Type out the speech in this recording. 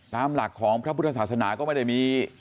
ตามหลักของพระพุทธศาสนาก็ไม่ได้มี